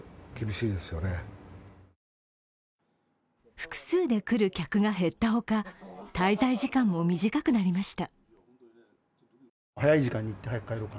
複数で来る客が減ったほか滞在時間も短くなりました。